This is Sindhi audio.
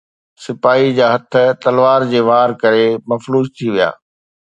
سپاهيءَ جا هٿ تلوار جي وار ڪري مفلوج ٿي ويا